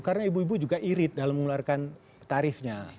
karena ibu ibu juga irit dalam mengeluarkan tarifnya